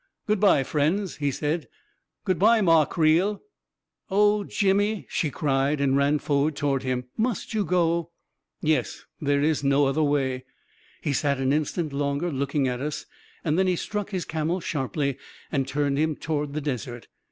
" Good bye, friends," he said. " Good bye, Ma Creel !" "Oh, Jimmy! " she cried, and ran forward to ward him. " Must you go ?" "Yes — there's no other way! " He sat an instant longer looking at us, then he struck his camel sharply, and turned him toward the desert.